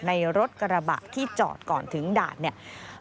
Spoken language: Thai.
ในรถกระบะที่จอดก่อนถึงด่านเนี่ย